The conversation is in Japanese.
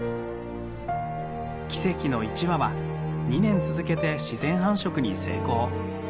奇跡の１羽は２年続けて自然繁殖に成功。